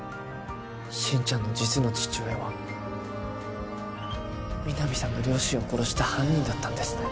心ちゃんの実の父親は皆実さんの両親を殺した犯人だったんですね